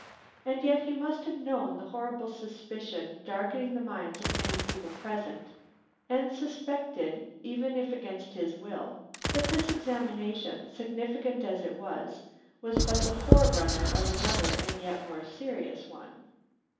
And yet he must have known the horrible suspicion darkening the minds of many people present, and suspected, even if against his will, that this examination, significant as it was, was but the forerunner of another and yet more serious one.